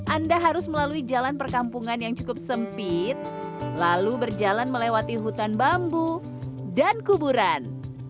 anda harus melalui jalan perkampungan yang cukup sempit lalu berjalan melewati hutan bambu dan kuburan